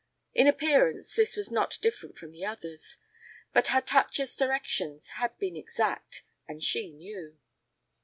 In appearance this was not different from the others; but Hatatcha's directions had been exact, and she knew.